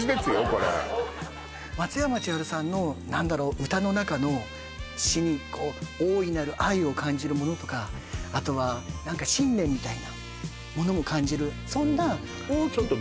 これ松山千春さんの何だろう歌の中の詩にこう大いなる愛を感じるものとかあとは何か信念みたいなものを感じるそんなあ